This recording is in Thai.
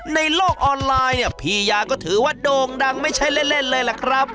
ในโลกออนไลน์เนี่ยพี่ยาก็ถือว่าโด่งดังไม่ใช่เล่นเลยล่ะครับ